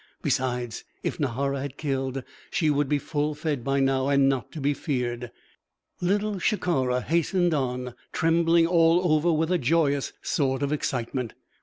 Besides, if Nahara had killed, she would be full fed by now and not to be feared. Little Shikara hastened on, trembling all over with a joyous sort of excitement.